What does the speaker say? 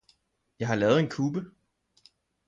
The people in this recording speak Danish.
Jeg har lavet en kube